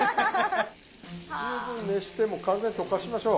十分熱してもう完全に溶かしましょう。